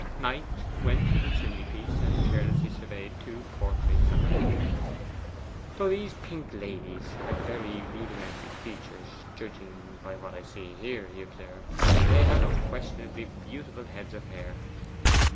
Knight went to the chimney piece, and carelessly surveyed two portraits on ivory. 'Though these pink ladies had very rudimentary features, judging by what I see here,' he observed, 'they had unquestionably beautiful heads of hair.